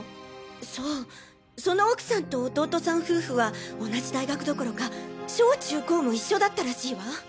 そうその奥さんと弟さん夫婦は同じ大学どころか小中高も一緒だったらしいわ。